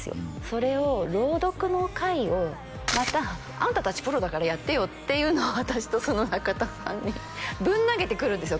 それを朗読の会をまたあんた達プロだからやってよっていうのを私とその中田さんにぶん投げてくるんですよ